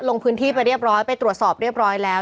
ลงพื้นที่ไปเรียบร้อยไปตรวจสอบเรียบร้อยแล้ว